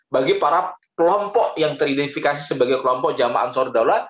bagi para kelompok yang teridentifikasi sebagai kelompok jama ansor daula